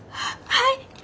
はい！